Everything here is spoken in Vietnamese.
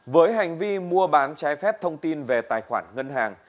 với hành vi mua bán trái phép thông tin về tài khoản ngân hàng